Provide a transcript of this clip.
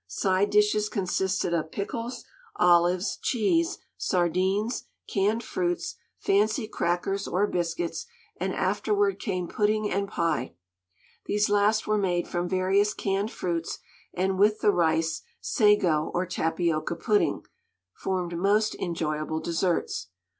Side dishes consisted of pickles, olives, cheese, sardines, canned fruits, fancy crackers or biscuits, and afterward came pudding and pie. These last were made from various canned fruits, and with the rice, sago or tapioca pudding, formed most enjoyable desserts.